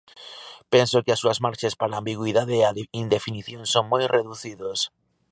Penso que as súas marxes para a ambigüidade e a indefinición son moi reducidos.